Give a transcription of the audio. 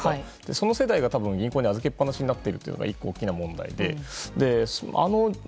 その世代が銀行に預けっぱなしになっているのが１個の問題で。